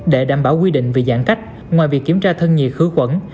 để đảm bảo quy định về giãn cách ngoài việc kiểm tra thân nhiệt khứ quẩn